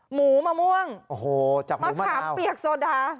หมูมะม่วงมะขามเปียกโซดา